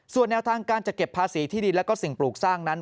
ส่วนแนวทางการจะเก็บภาษีที่ดินและสิ่งปลูกสร้างนั้น